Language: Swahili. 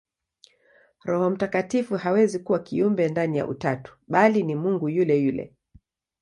Roho Mtakatifu hawezi kuwa kiumbe ndani ya Utatu, bali ni Mungu yule yule.